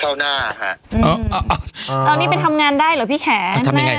อ้าวคนนี้เป็นยังไงอ่ะทำยังไง